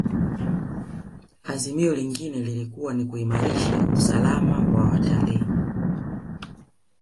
azimio lingine lilikuwa kuimalisha usalama wa watalii